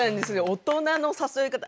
大人の誘い方。